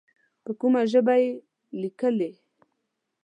په کومه ژبه یې لیکې.